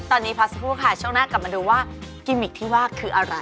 ตอนนี้พักสักครู่ค่ะช่วงหน้ากลับมาดูว่ากิมมิกที่ว่าคืออะไร